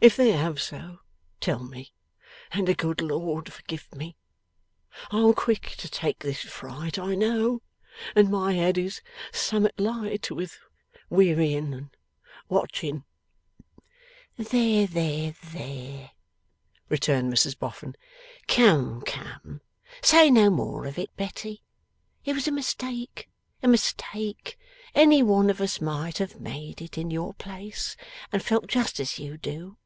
If they have so, tell me, and the good Lord forgive me! I'm quick to take this fright, I know, and my head is summ'at light with wearying and watching.' 'There, there, there!' returned Mrs Boffin. 'Come, come! Say no more of it, Betty. It was a mistake, a mistake. Any one of us might have made it in your place, and felt just as you do.